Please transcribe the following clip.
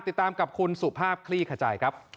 ติดตามกับคุณสุภาพคลี่ขจายครับ